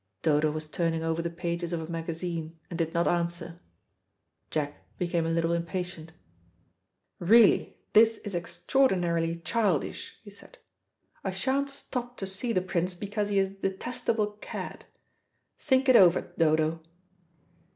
Dodo was turning over the pages of a magazine and did not answer. Jack became a little impatient. "Really, this is extraordinarily childish," he said. "I sha'n't stop to see the Prince because he is a detestable cad. Think it over, Dodo."